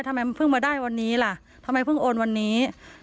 ทำไมมันเพิ่งมาได้วันนี้ล่ะทำไมเพิ่งโอนวันนี้